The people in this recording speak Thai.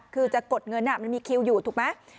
คือจะกดเงินมันมีคิวอยู่ถูกไหม